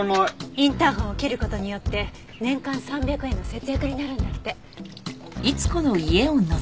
インターホンを切る事によって年間３００円の節約になるんだって。